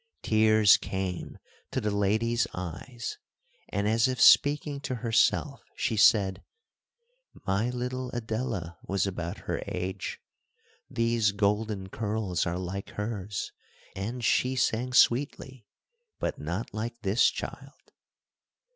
Tears came to the lady's eyes, and, as if speaking to herself, she said:— "My little Adela was about her age; these golden curls are like hers, and she sang sweetly, but not like this child."